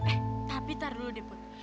eh tapi tar dulu deh put